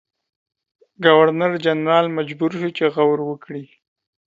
ګورنرجنرال مجبور شو چې غور وکړي.